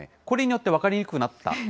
これによって分かりにくくなった、